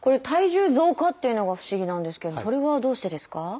「体重増加」というのが不思議なんですけどそれはどうしてですか？